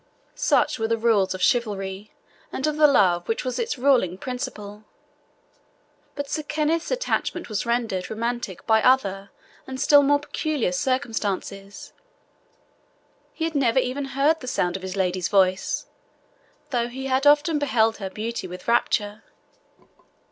Such were the rules of chivalry, and of the love which was its ruling principle. But Sir Kenneth's attachment was rendered romantic by other and still more peculiar circumstances. He had never even heard the sound of his lady's voice, though he had often beheld her beauty with rapture.